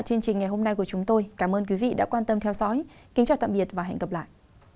cảm ơn các bạn đã theo dõi và hẹn gặp lại